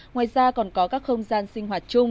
ngoài ra còn có các không gian sinh hoạt chung